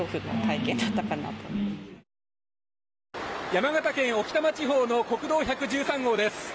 山形県置賜地方の国道１１３号です。